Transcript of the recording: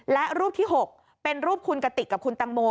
และรูปที่๖เป็นรูปคุณกติกกับคุณตังโม